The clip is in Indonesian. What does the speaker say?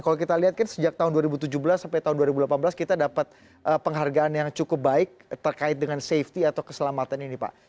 kalau kita lihat kan sejak tahun dua ribu tujuh belas sampai tahun dua ribu delapan belas kita dapat penghargaan yang cukup baik terkait dengan safety atau keselamatan ini pak